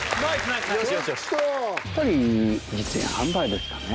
やっぱり実演販売ですかね